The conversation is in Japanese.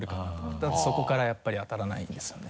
ただそこからやっぱり当たらないんですよね。